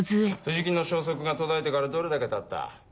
藤木の消息が途絶えてからどれだけたった？